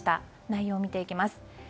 内容を見ていきます。